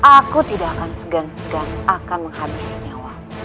aku tidak akan segan segan akan menghabisi nyawa